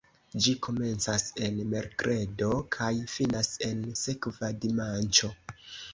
Ĝi komencas en merkredo kaj finas en sekva dimanĉo.